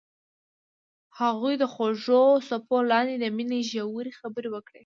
هغوی د خوږ څپو لاندې د مینې ژورې خبرې وکړې.